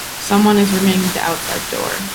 Someone is ringing the outside door.